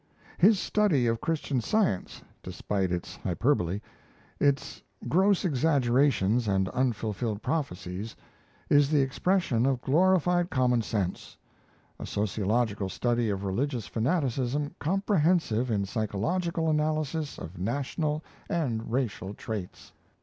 His study of Christian Science, despite its hyperbole, its gross exaggerations and unfulfilled prophecies, is the expression of glorified common sense, a sociological study of religious fanaticism comprehensive in psychological analysis of national and racial traits.